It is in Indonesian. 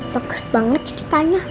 bagus banget ceritanya